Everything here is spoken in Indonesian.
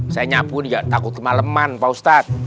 saya nyapu nih gak takut kemaleman pa ustaz